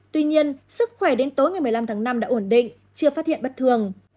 tuy nhiên sức khỏe đến tối ngày một mươi năm tháng năm đã ổn định chưa phát hiện bất thường